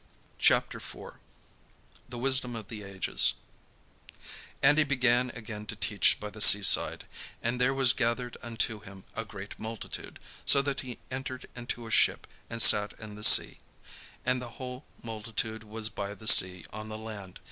CHAPTER IV THE WISDOM OF THE AGES And he began again to teach by the sea side: and there was gathered unto him a great multitude, so that he entered into a ship, and sat in the sea; and the whole multitude was by the sea on the land.